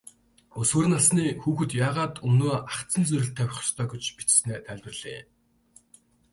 Өсвөр насны хүүхэд яагаад өмнөө ахадсан зорилт тавих ёстой гэж бичсэнээ тайлбарлая.